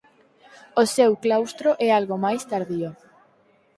O seu claustro é algo máis tardío.